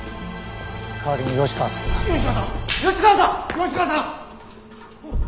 吉川さん！